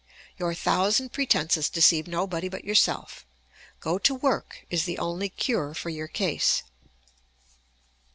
Your thousand pretenses deceive nobody but yourself. Go to work is the only cure for your case.